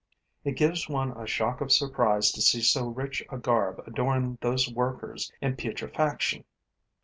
It gives one a shock of surprise to see so rich a garb adorn those workers in putrefaction.